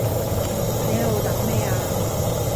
你喺度等咩呀